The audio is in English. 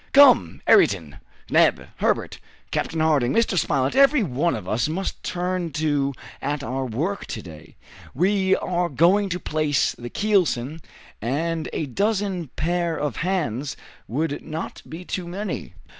Come, Ayrton, Neb, Herbert, Captain Harding, Mr. Spilett, every one of us must turn to at our work to day! We are going to place the keelson, and a dozen pair of hands would not be too many.